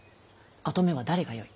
跡目は誰がよい。